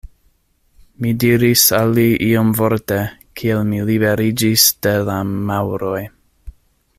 Mi diris al li iomvorte, kiel mi liberiĝis de la Maŭroj.